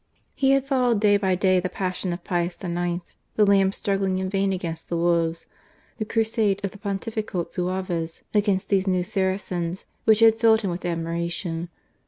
He had followed day by day the passion of Pius IX, — the lamb struggling ■in vain against the wolves, the crusade of the Ponti fical Zouaves against these new Saracens, which had filled him with admiration.